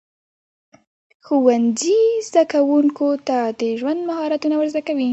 ښوونځی زده کوونکو ته د ژوند مهارتونه ورزده کوي.